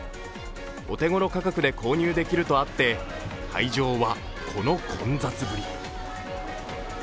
お手ごろ価格で購入できるとあって、会場はこの混雑ぶり。